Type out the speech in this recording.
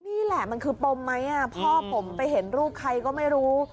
นี่แหละมันคือปมไหมพ่อผมไปเห็นรูปใครก็ไม่รู้